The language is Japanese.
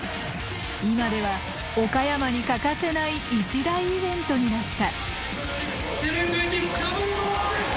今では岡山に欠かせない一大イベントになった。